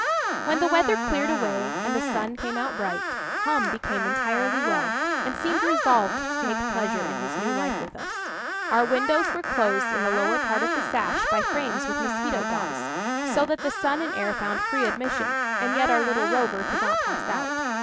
When the weather cleared away, and the sun came out bright, Hum became entirely well, and seemed resolved to take the measure of his new life with us. Our windows were closed in the lower part of the sash by frames with mosquito gauze, so that the sun and air found free admission, and yet our little rover could not pass out.